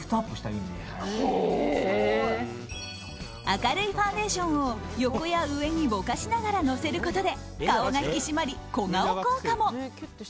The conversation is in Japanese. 明るいファンデーションを横や上にぼかしながら乗せることで顔が引き締まり、小顔効果も。